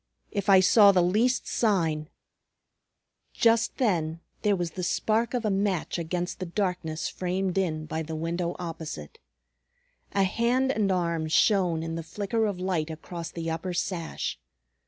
If I saw the least sign " Just then there was the spark of a match against the darkness framed in by the window opposite. A hand and arm shone in the flicker of light across the upper sash.